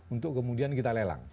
untuk kemudian kita lelang